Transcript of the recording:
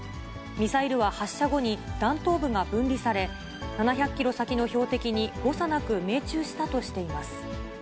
ミサイルは発射後に弾頭部が分離され、７００キロ先の標的に誤差なく命中したとしています。